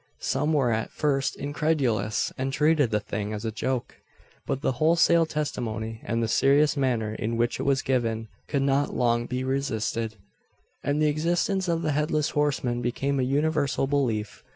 Some were at first incredulous, and treated the thing as a joke. But the wholesale testimony and the serious manner in which it was given could not long be resisted; and the existence of the headless horseman became a universal belief.